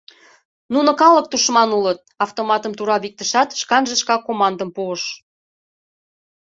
— Нуно калык тушман улыт! — автоматым тура виктышат, шканже шкак командым пуыш.